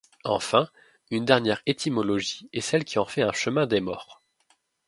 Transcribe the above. Enfin, une dernière étymologie est celle qui en fait un chemin des morts.